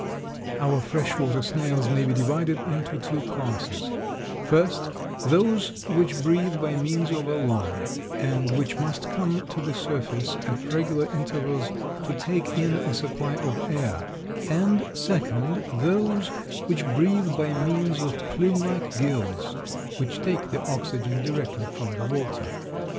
Our fresh water snails may be divided into two classes; first, those which breathe by means of a lung and which must come to the surface at regular intervals to take in a supply of air, and, second, those which breathe by means of plume like gills which take the oxygen directly from the water.